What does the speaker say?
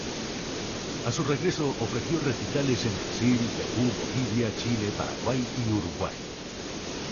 A su regreso ofreció recitales en Brasil, Perú, Bolivia, Chile, Paraguay y Uruguay.